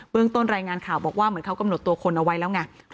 ต้นรายงานข่าวบอกว่าเหมือนเขากำหนดตัวคนเอาไว้แล้วไง